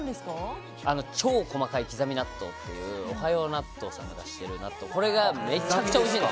超・細かいきざみ納豆っていうおはよう納豆さんが出してる納豆これがめちゃくちゃおいしい。